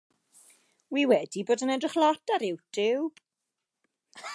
Wi wedi bod yn edrych lot ar Youtube.